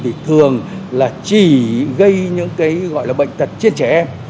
thì thường là chỉ gây những cái gọi là bệnh tật trên trẻ em